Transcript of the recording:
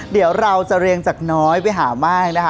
เดี๋ยวเราจะเรียงจากน้อยไปหาม่ายนะคะ